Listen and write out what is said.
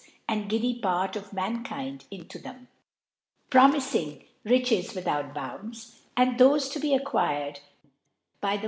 ai)d giddy Part of Mankind into ther proini&ng Riches without Bounds, and th( to he acquired by the.